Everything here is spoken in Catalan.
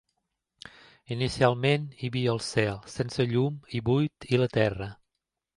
Inicialment hi havia el cel sense llum i buit i la terra.